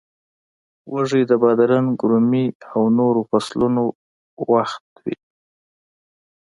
وږی د بادرنګ، رومي او نورو فصلونو وخت وي.